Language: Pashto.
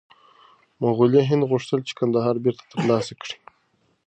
مغولي هند غوښتل چې کندهار بېرته ترلاسه کړي.